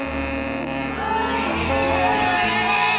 kerjanya gak becus